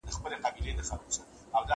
هغه وويل چي ږغ لوړ دی؟